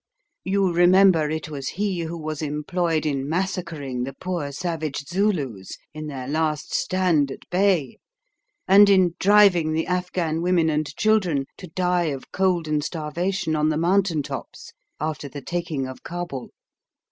You remember, it was he who was employed in massacring the poor savage Zulus in their last stand at bay, and in driving the Afghan women and children to die of cold and starvation on the mountain tops after the taking of Kabul.